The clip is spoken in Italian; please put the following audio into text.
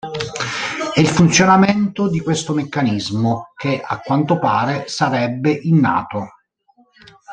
È il funzionamento di questo meccanismo che a quanto pare sarebbe innato.